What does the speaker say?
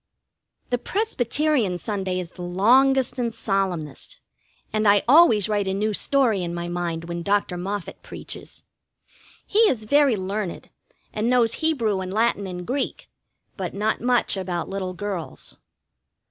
The Presbyterian Sunday is the longest and solemnest, and I always write a new story in my mind when Dr. Moffett preaches. He is very learned, and knows Hebrew and Latin and Greek, but not much about little girls.